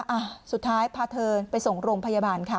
อ่ะสุดท้ายพาเธอไปส่งโรงพยาบาลค่ะ